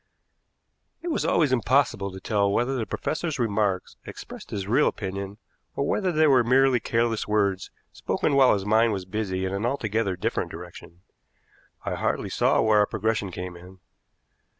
It was always impossible to tell whether the professor's remarks expressed his real opinion, or whether they were merely careless words spoken while his mind was busy in an altogether different direction. I hardly saw where our progression came in.